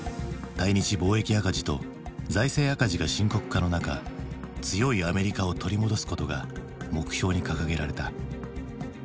対日貿易赤字と財政赤字が深刻化の中強いアメリカを取り戻すことが目標に掲げられた。